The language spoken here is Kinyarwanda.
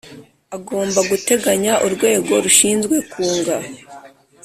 agomba guteganya urwego rushinzwe kunga